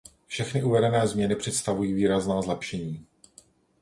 Všechny uvedené změny představují výrazná zlepšení.